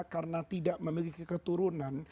karena tidak memiliki keturunan